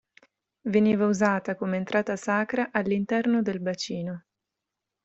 Veniva usata come entrata sacra all'interno del bacino.